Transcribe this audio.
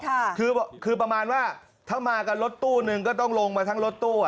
ค่ะคือคือประมาณว่าถ้ามากันรถตู้นึงก็ต้องลงมาทั้งรถตู้อ่ะ